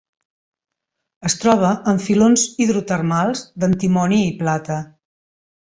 Es troba en filons hidrotermals d'antimoni i plata.